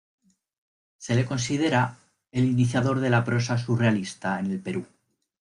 Se le considera el iniciador de la prosa surrealista en el Perú.